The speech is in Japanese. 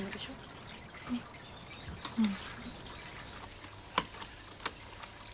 うん。